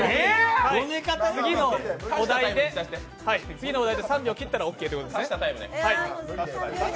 次のお題で３秒切ったらオッケーということですね。